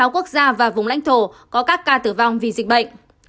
tám mươi sáu quốc gia và vùng lãnh thổ có các ca tử vong vì dịch bệnh